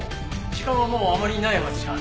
時間はもうあまりないはずじゃ。